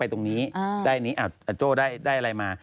โทรหัวจะตามมา